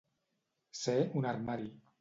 Ser un armari.